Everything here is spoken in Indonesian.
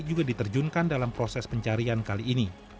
juga diterjunkan dalam proses pencarian kali ini